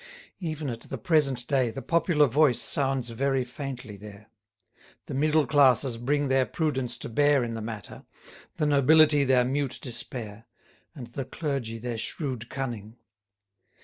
Even at the present day the popular voice sounds very faintly there; the middle classes bring their prudence to bear in the matter, the nobility their mute despair, and the clergy their shrewd cunning.